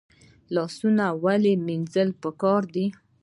لاسونه ولې مینځل پکار دي؟